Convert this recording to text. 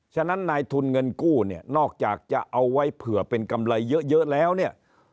ฉะนั้นนายทุนเงินกู้เนี่ยนอกจากจะเอาไว้เผื่อเป็นกำไรเยอะแล้วเนี่ย